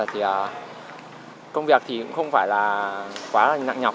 thì công việc thì cũng không phải là quá là nặng nhọc